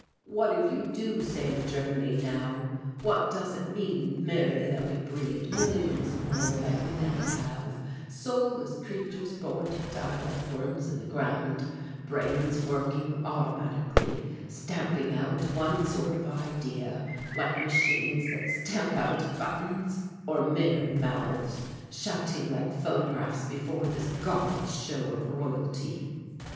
What if you do save Germany now what does it mean merely that we breed millions more like we now have, soulless creatures born to die like worms in the ground, brains working automatically, stamping out one sort of idea, like machines that stamp out buttons or mere mouths shouting like phonographs before this gaudy show of royalty?"